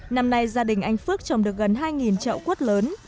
năm nay gia đình anh phước trồng được gần hai trậu quất lớn